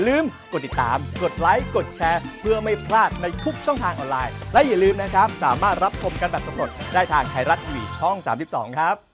เออเออเออเออเราไปหาเสิร์ชกันดูนะครับ